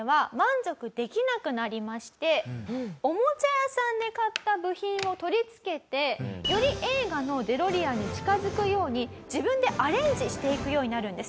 おもちゃ屋さんで買った部品を取り付けてより映画のデロリアンに近づくように自分でアレンジしていくようになるんです。